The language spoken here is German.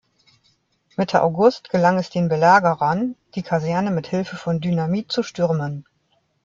Mitte August gelang es den Belagerern, die Kaserne mit Hilfe von Dynamit zu stürmen.